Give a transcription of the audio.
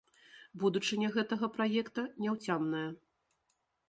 Будучыня гэтага праекта няўцямная.